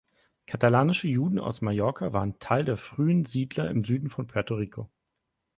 Katalanische Juden aus Mallorca waren Teil der frühen Siedler im Süden von Puerto Rico.